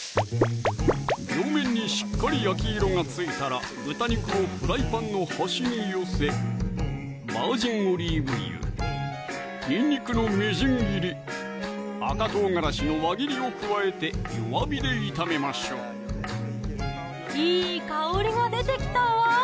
両面にしっかり焼き色がついたら豚肉をフライパンの端に寄せバージンオリーブ油・にんにくのみじん切り・赤唐辛子の輪切りを加えて弱火で炒めましょういい香りが出てきたわ